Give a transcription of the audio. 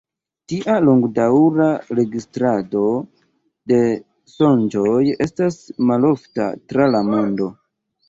Tia longdaŭra registrado de sonĝoj estas malofta tra la mondo.